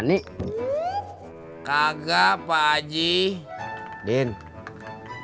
tidak ada tiga p gamers